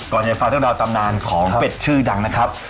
ก่อนให้ฟังทุกดาวตำนานของเป็ดชื่อดังนะครับ